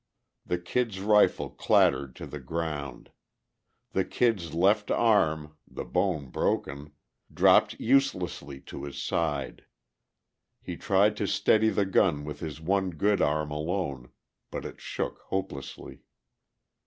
The Kid's rifle clattered to the ground; the Kid's left arm, the bone broken, dropped uselessly to his side. He tried to steady the gun with his one good arm alone, but it shook hopelessly.